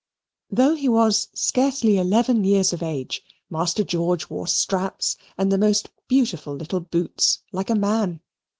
Though he was scarcely eleven years of age, Master George wore straps and the most beautiful little boots like a man.